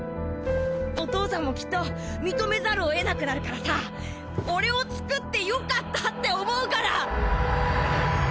お父さんもきっと認めざるをえなくなるからさ俺をつくって良かったって思うから！